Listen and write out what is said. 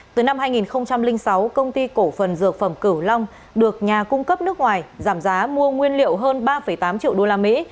từ năm hai nghìn sáu công ty cổ phần dược phẩm cửu long được nhà cung cấp nước ngoài giảm giá mua nguyên liệu hơn ba tám triệu usd